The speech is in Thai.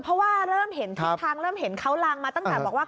เพราะว่าเริ่มเห็นทิศทางเริ่มเห็นเขาลางมาตั้งแต่บอกว่า